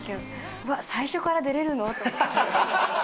うわっ最初から出れるの？と思って。